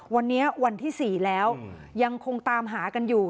วันนี้วันที่๔แล้วยังคงตามหากันอยู่